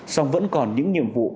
xong vẫn còn những nhiệm vụ